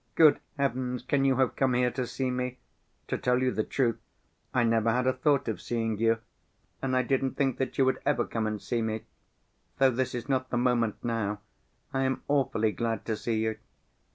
Good heavens, can you have come here to see me! To tell you the truth, I never had a thought of seeing you and I didn't think that you would ever come and see me. Though this is not the moment now, I am awfully glad to see you.